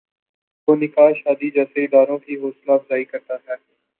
وہ نکاح شادی جیسے اداروں کی حوصلہ افزائی کرتا ہے۔